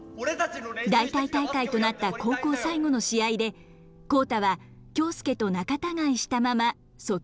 代替大会となった高校最後の試合で浩太は京介と仲たがいしたまま卒業することに。